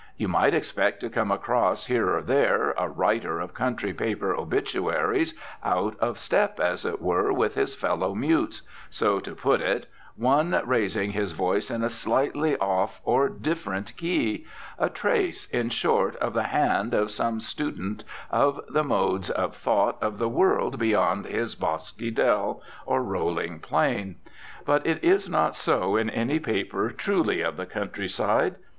You might expect to come across, here or there, a writer of country paper obituaries out of step, as it were, with his fellow mutes, so to put it, one raising his voice in a slightly off, or different key, a trace, in short, of the hand of some student of the modes of thought of the world beyond his bosky dell or rolling plain. But it is not so in any paper truly of the countryside.